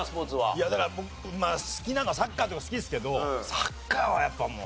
いやだからまあ好きなのはサッカーとか好きですけどサッカーはやっぱもう。